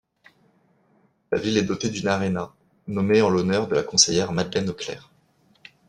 La ville est dotée d'une aréna, nommée en l'honneur de la conseillère Madeleine Auclair.